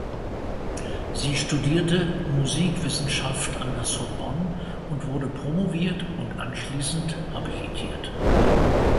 Sie studierte Musikwissenschaft an der Sorbonne und wurde promoviert und anschließend habilitiert.